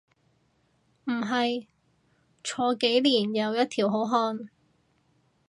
唔係，坐幾年又一條好漢